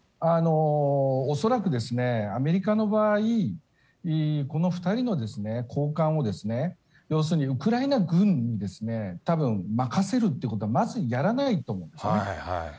恐らく、アメリカの場合、この２人の高官を要するにウクライナ軍にたぶん任せるということは、まずやらないと思いますね。